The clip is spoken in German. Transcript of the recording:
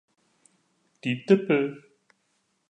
Die Dipl.